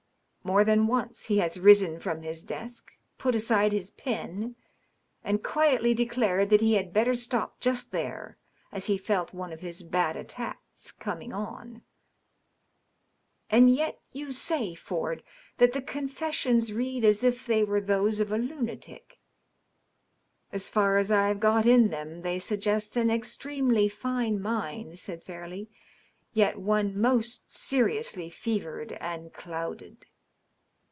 More than once he has risen from his desk, put aside his pen, and quietly declared that he had better stop just there, as he felt one of his bad attacks coming on." ^^ And yet you say. Ford, that the confessions read as if they were those of a lunatic ?"" As far as I have got in them, they suggest an extremely fine mind," said Fairleigh, "yet one most seriously fevered and clouded."